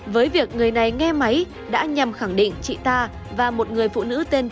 với việc người này nghe máy đã nhằm khẳng định chị ta và một người phụ nữ tên trần thị ba là một